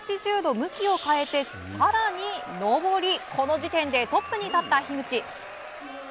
向きを変えて、さらに登りこの時点でトップに立った樋口。